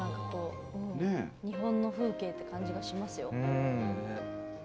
日本の風景って感じがしますよ。